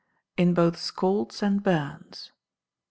In both Scalds and Burns.